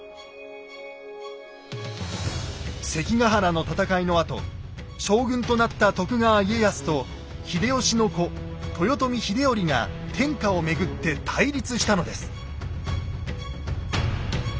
「関ヶ原の戦い」のあと将軍となった徳川家康と秀吉の子・豊臣秀頼が天下をめぐって対立したのです。